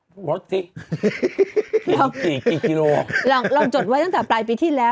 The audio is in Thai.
อ่าฮะลดสิกี่กี่กิโลกรัมลองลองจดไว้ตั้งแต่ปลายปีที่แล้ว